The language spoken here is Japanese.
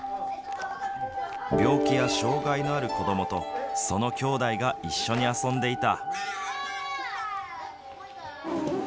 病気や障害のある子どもとその兄弟が一緒に遊んでいた。